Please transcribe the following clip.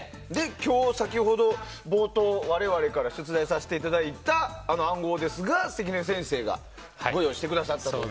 今日は先ほど冒頭我々から出題させていただいたあの暗号ですが、関根先生がご用意してくださったという。